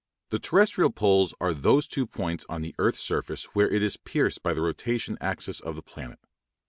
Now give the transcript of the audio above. The terrestrial poles are those two points on the earth's surface where it is pierced by the rotation axis of the planet.